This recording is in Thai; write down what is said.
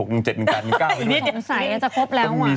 ต้องมี๒